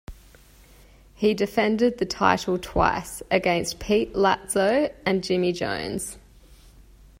He defended the title twice, against Pete Latzo and Jimmy Jones.